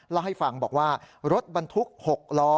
แล้วให้ฟังบอกว่ารถบันทุกข์๖ล้อ